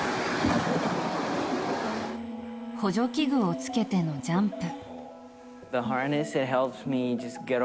補助器具をつけてのジャンプ。